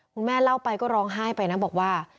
เล่าไปก็ร้องไห้ไปนะบอกว่า